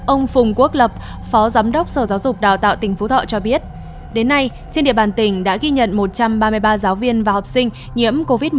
ông phùng quốc lập phó giám đốc sở giáo dục đào tạo tỉnh phú thọ cho biết đến nay trên địa bàn tỉnh đã ghi nhận một trăm ba mươi ba giáo viên và học sinh nhiễm covid một mươi chín